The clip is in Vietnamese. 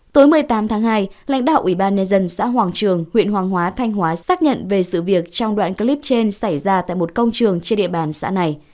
tối một mươi tám tháng hai lãnh đạo ủy ban nhân dân xã hoàng trường huyện hoàng hóa thanh hóa xác nhận về sự việc trong đoạn clip trên xảy ra tại một công trường trên địa bàn xã này